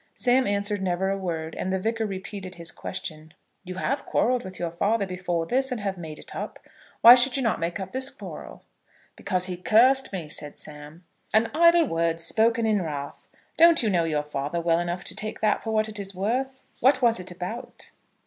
Sam answered never a word, and the Vicar repeated his question. "You have quarrelled with your father before this, and have made it up. Why should not you make up this quarrel?" "Because he cursed me," said Sam. "An idle word, spoken in wrath! Don't you know your father well enough to take that for what it is worth? What was it about?"